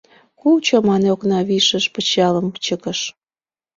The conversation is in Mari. — Кучо! — мане, окна вишыш пычалым чыкыш.